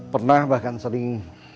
pernah bahkan sering